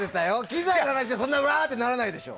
機材の話でそんなうわーってならないでしょ。